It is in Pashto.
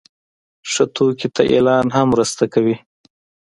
ښه توکي ته اعلان هم مرسته کوي.